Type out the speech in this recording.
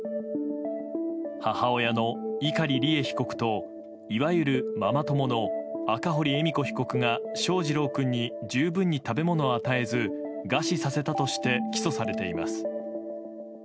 母親の碇利恵被告といわゆるママ友の赤堀恵美子被告が翔士郎君に十分に食べ物を与えず餓死させたとして起訴されています。